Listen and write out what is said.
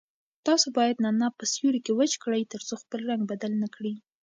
تاسو باید نعناع په سیوري کې وچ کړئ ترڅو خپل رنګ بدل نه کړي.